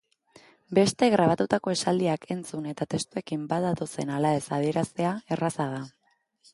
Besteek grabatutako esaldiak entzun eta testuekin bat datozen ala ez adieraztea erraza da.